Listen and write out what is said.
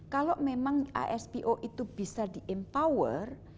kalau memang aspo itu bisa di empower